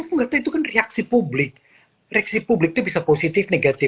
aku nggak tahu itu kan reaksi publik reaksi publik itu bisa positif negatif